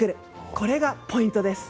これが、ポイントです。